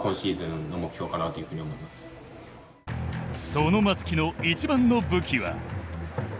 その松木の一番の武器は。